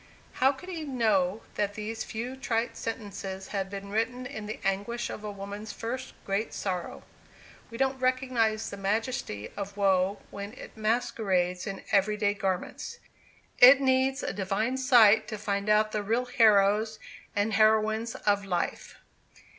How could he know that these few trite sentences had been written in the anguish of a woman's first great sorrow? We don't recognise the majesty of woe when it masquerades in every day garments. It needs a Divine sight to find out the real heroes and heroines of life.